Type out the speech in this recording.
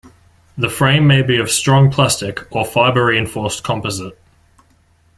The frame may be of strong plastic or fibre reinforced composite.